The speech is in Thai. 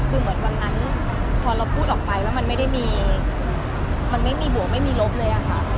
คือเหมือนวันนั้นพอเราพูดออกไปแล้วมันไม่ได้มีมันไม่มีบวกไม่มีลบเลยอะค่ะ